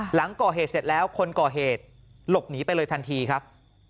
หลังก่อเหตุเสร็จแล้วคนก่อเหตุหลบหนีไปเลยทันทีครับ